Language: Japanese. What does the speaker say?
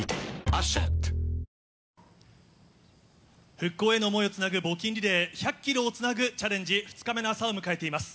復興への想いをつなぐ募金リレー、１００キロをつなぐチャレンジ、２日目の朝を迎えています。